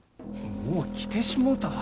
もう着てしもうたわ。